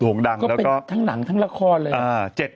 ต่วงดังแล้วก็อฮก็เป็นทั้งหนังทั้งละครเลย